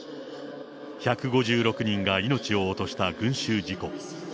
１５６人が命を落とした群衆事故。